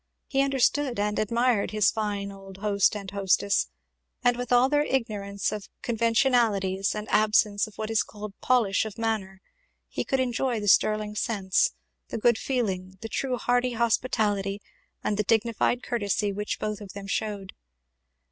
He understood and admired his fine old host and hostess; and with all their ignorance of conventionalities and absence of what is called polish of manner, he could enjoy the sterling sense, the good feeling, the true hearty hospitality, and the dignified courtesy which both of them shewed.